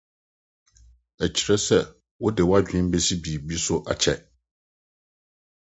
Ɛkyerɛ sɛ wode w’adwene besi biribi so akyɛ.